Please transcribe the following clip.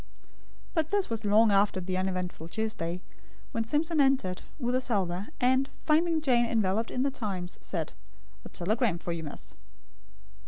But this was long after the uneventful Tuesday, when Simpson entered, with a salver; and, finding Jane enveloped in the Times, said: "A telegram for you, miss."